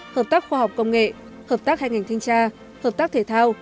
hợp tác khoa học công nghệ hợp tác hai ngành thanh tra hợp tác thể thao